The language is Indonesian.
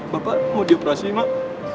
bapak mau dioperasi mak